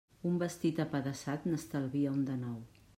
Un vestit apedaçat n'estalvia un de nou.